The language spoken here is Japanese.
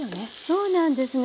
そうなんですね